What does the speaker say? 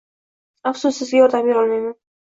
Afsus, sizga yordam berolmayman.